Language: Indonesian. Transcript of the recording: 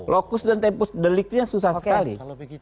lokus dan tempus deliknya susah sekali